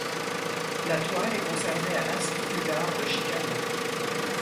La toile est conservée à l'Institut d'art de Chicago.